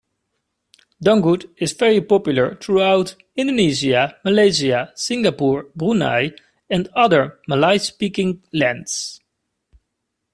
Dangdut is very popular throughout Indonesia, Malaysia, Singapore, Brunei, and other Malay-speaking lands.